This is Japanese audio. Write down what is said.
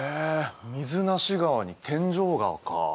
水無川に天井川か。